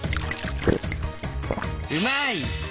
うまい！